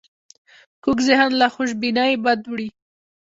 کوږ ذهن له خوشبینۍ بد وړي